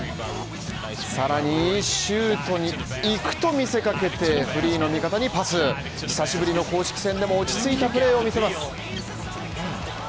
さらにシュートに行くと見せかけて、フリーの味方にパス久しぶりの公式戦でも落ち着いたプレーを見せます。